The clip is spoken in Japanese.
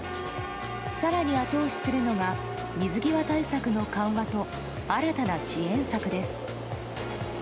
更に後押しするのが水際対策の緩和と新たな支援策です。